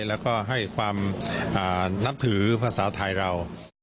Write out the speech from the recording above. แล้วก็ให้ความนับถือภาษาไทยเรา